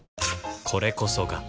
これこそが